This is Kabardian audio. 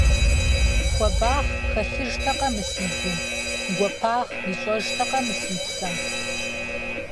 Хуабагъ хэлъыжтэкъэ мы си гум, гуапагъ ищӀэжтэкъэ мы си псэм?